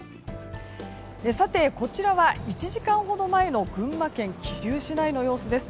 こちらは１時間ほど前の群馬県桐生市内の様子です。